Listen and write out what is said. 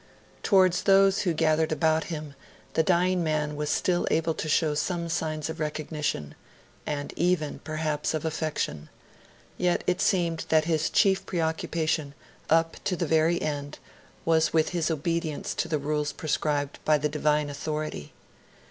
Towards those who gathered about him, the dying man was still able to show some signs of recognition, and even, perhaps, of affection; yet it seemed that his chief preoccupation, up to the very end, was with his obedience to the rules prescribed by the Divine Authority.